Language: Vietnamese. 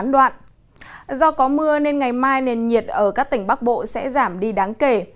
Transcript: do có mưa nên ngày mai nền nhiệt ở các tỉnh bắc bộ sẽ giảm đi đáng kể